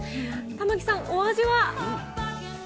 玉城さん、お味は？